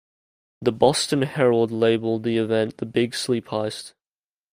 The "Boston Herald" labeled the event "The Big Sleep Heist".